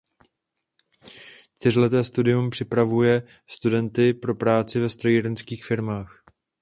Čtyřleté studium připravuje studenty pro práci ve strojírenských firmách.